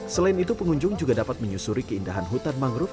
selain itu pengunjung juga dapat menyusuri keindahan hutan mangrove